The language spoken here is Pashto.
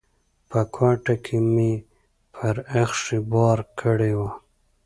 په کوټه کې مې پر اخښي بار کړی و.